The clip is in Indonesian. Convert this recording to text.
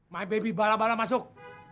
my baby bara bara masuk